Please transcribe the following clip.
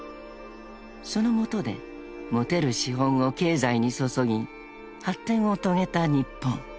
［その下で持てる資本を経済にそそぎ発展を遂げた日本］